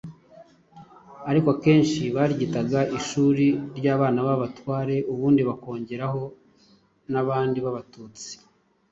Ariko akenshi baryitaga ishuri ry' "abana b'abatware", ubundi bakongeraho "n'abandi batutsi"